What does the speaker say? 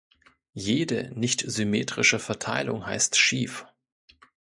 Jede nicht symmetrische Verteilung heißt "schief".